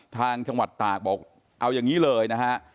ทางจังหวัดตากบอกเอาอย่างนี้เลยนะฮะ